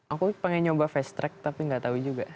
aku pengen nyoba fast track tapi nggak tahu juga